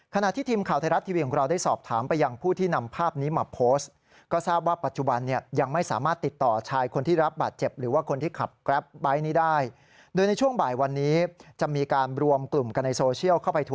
ขณะที่ทีมข่าวไทยรัฐทีวีของเราได้สอบถามไปยังผู้ที่นำภาพนี้มาโพสต์